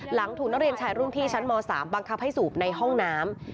หลังถูกนักเรียนชายรุ่นพี่ชั้นม๓บังคับให้สูบในห้องน้ำ